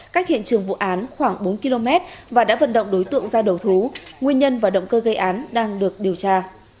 cách hiện trường vụ án khoảng bốn km và đã vận động đối tượng ra đầu thú nguyên nhân và động cơ gây án đang được điều tra